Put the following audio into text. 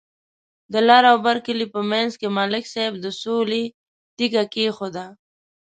د لر او بر کلي په منځ کې ملک صاحب د سولې تیگه کېښوده.